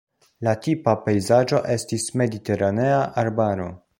La tipa pejzaĝo estas mediteranea arbaro.